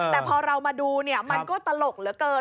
แต่พอเรามาดูเนี่ยมันก็ตลกเหลือเกิน